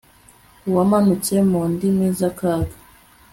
wamanutse mu ndimi, zakaga